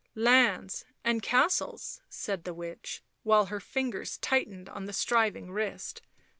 " Lands and castles,' 5 said the witch, while her fingers tightened on the striving wrist.